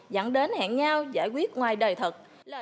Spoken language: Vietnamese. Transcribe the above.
dẫn đến hẹn nhau giải quyết ngoài đời thật